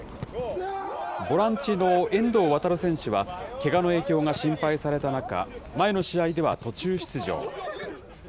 ボランチの遠藤航選手はけがの影響が心配された中、前の試合では途中出場。